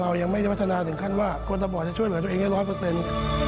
เรายังไม่ได้พัฒนาถึงขั้นว่าคนตะบอดจะช่วยเหลือตัวเองได้ร้อยเปอร์เซ็นต์